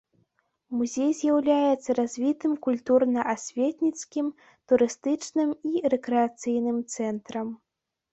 Музей з'яўляецца развітым культурна-асветніцкім, турыстычным і рэкрэацыйным цэнтрам.